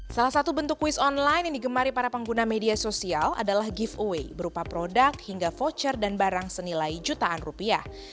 salah satu bentuk kuis online yang digemari para pengguna media sosial adalah giveaway berupa produk hingga voucher dan barang senilai jutaan rupiah